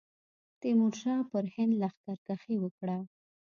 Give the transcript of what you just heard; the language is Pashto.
تیمورشاه پر هند لښکرکښي وکړه.